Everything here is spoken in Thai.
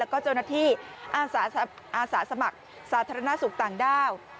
ก็เจ้าหน้าที่อาสาสมัครสาธารณสุขต่างด้าว